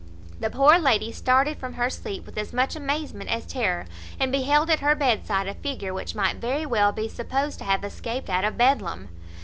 The poor lady started from her sleep with as much amazement as terror, and beheld at her bedside a figure which might very well be supposed to have escaped out of Bedlam.